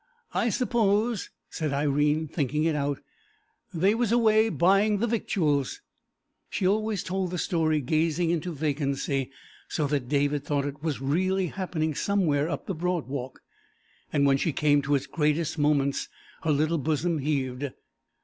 "I suppose," said Irene, thinking it out, "they was away buying the victuals." She always told the story gazing into vacancy, so that David thought it was really happening somewhere up the Broad Walk, and when she came to its great moments her little bosom heaved.